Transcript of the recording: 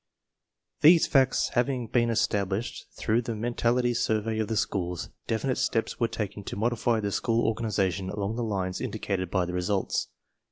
These facts having been established through the mentality survey of the schools, definite steps were taken to modify the school organization along the lines indicated by the results.